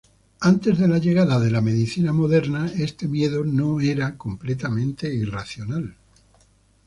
Antes de la llegada de la medicina moderna este miedo no era completamente irracional.